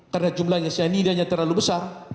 karena jumlah cyanida terlalu besar